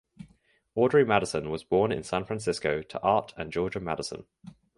Audrey Madison was born in San Francisco to Art and Georgia Madison.